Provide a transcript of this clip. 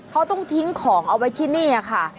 เขาต้องทิ้งของเอาไว้ที่นี่ค่ะ